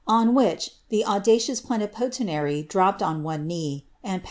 on which theaudarious plenij dropped on one knee, and pas?